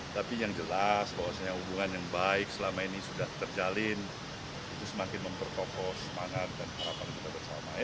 tapi yang jelas bahwasannya hubungan yang baik selama ini sudah terjalin itu semakin memperkokoh semangat dan harapan kita bersama